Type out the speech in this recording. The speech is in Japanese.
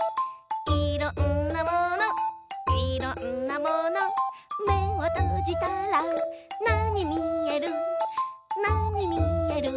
「いろんなものいろんなもの」「めをとじたらなにみえる？